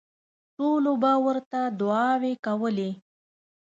ټولو به ورته دوعاوې کولې.